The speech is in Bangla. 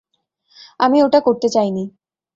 আমি ওটা করতে চাইনি!